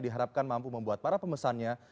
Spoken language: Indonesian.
diharapkan mampu membuat para pemesannya